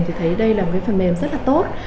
thì thấy đây là một cái phần mềm rất là tốt